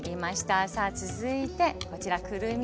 さあ続いてこちらくるみです。